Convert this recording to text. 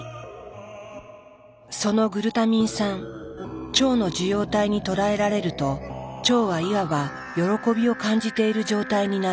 そのグルタミン酸腸の受容体にとらえられると腸はいわば喜びを感じている状態になる。